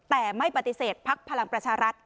แต่ไม่ปฏิเสธพักพลังประชารัฐ